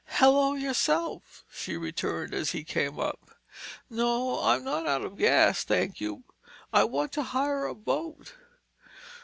"Hello, yourself!" she returned as he came up. "No, I'm not out of gas, thank you. I want to hire a boat."